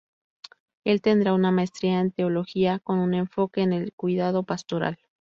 Él tendrá una maestría en teología con un enfoque en el cuidado pastoral.